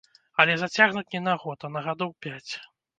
Але зацягнуць не на год, а на гадоў пяць.